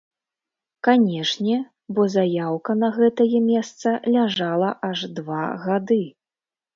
Канешне, бо заяўка на гэтае месца ляжала аж два гады!